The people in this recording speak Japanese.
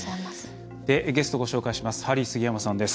ゲストをご紹介します。